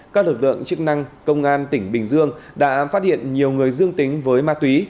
các lực lượng chức năng công an tỉnh bình dương đã phát hiện nhiều người dương tính với ma túy